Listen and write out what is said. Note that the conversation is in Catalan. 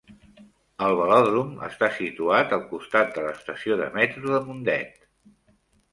El velòdrom està situat al costat de l'estació de metro de Mundet.